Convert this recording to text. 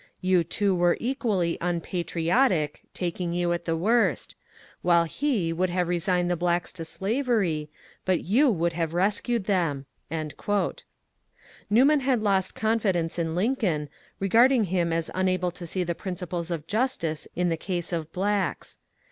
You two were equally ' unpatriotic ' (taking you at the worst) ; while he would have resigned the blacks to slavery, but you would have rescued them." Newman had lost confidence in Lincoln, regarding him as ^ FRANCIS NEWMAN 445 unable to see tbe principles of justice in the case of blacks.